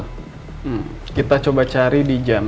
hmm kita coba cari di jam